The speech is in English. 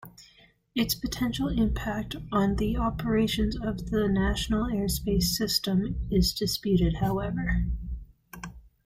Its potential impact on the operations of the national airspace system is disputed, however.